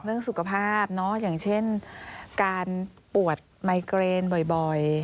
เรื่องสุขภาพอย่างเช่นการปวดไมเกรนบ่อย